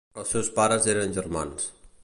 Els seus pares eren germans.